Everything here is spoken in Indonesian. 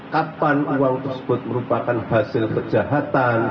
kapan uang tersebut merupakan hasil kejahatan